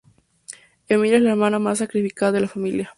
Emilia es la hermana más sacrificada de la familia.